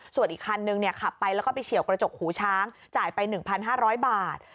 ส่วนอีกคันหนึ่งเนี่ยขับไปแล้วก็ไปเฉียวกระจกหูช้างจ่ายไปหนึ่งพันห้าร้อยบาท